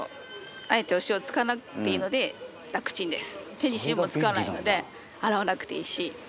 手に塩も付かないので洗わなくていいし。